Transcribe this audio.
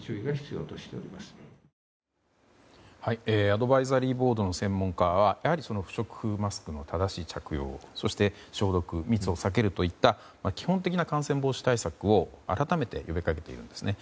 アドバイザリーボードの専門家はやはり不織布マスクの正しい着用そして消毒、密を避けるといった基本的な感染防止対策を改めて呼びかけていますね。